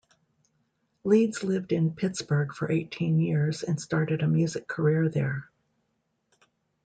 Leeds lived in Pittsburgh for eighteen years and started a music career there.